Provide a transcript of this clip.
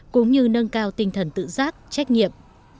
cũng như nâng cao tinh thần tự giác trách nhiệm